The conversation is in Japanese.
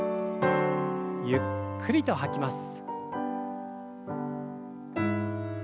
ゆっくりと吐きます。